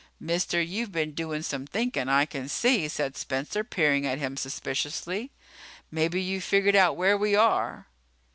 "Mister, you've been doing some thinkin', I can see," said Spencer, peering at him suspiciously. "Maybe you've figured out where we are."